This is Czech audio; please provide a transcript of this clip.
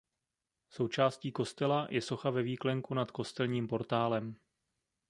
Součástí kostela je socha ve výklenku nad kostelním portálem.